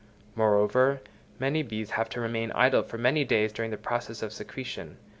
Moreover, many bees have to remain idle for many days during the process of secretion.